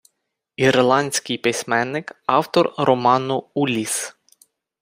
Ірландський письменник, автор роману «Улісс».